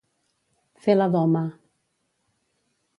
Fer la doma.